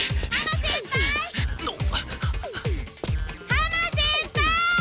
浜先輩！